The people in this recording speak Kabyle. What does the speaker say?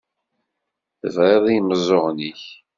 Tebriḍ i yimeẓẓuɣen-ik.